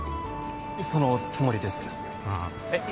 そのつもりですえっ